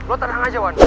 lo tenang aja wan